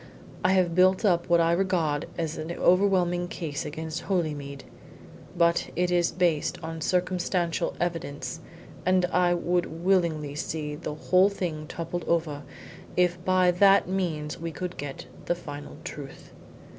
I have built up what I regard as an overwhelming case against Holymead. But it is based on circumstantial evidence, and I would willingly see the whole thing toppled over if by that means we could get the final truth.